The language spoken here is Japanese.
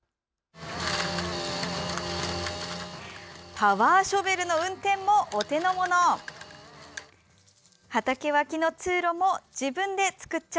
パワーショベルの運転もお手のもの！